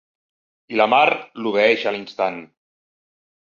I la Mar l'obeeix a l'instant.